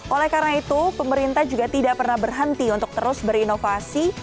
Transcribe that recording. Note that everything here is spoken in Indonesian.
oleh karena itu pemerintah juga tidak pernah berhenti untuk terus berinovasi